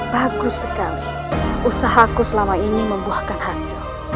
bagus sekali usahaku selama ini membuahkan hasil